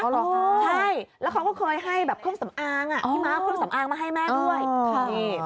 ใช่แล้วเขาก็เคยให้แบบเครื่องสำอางอ่ะพี่ม้าเอาเครื่องสำอางมาให้แม่ด้วยค่ะ